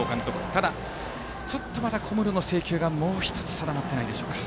ただ、ちょっとまだ小室の制球が定まっていないでしょうか。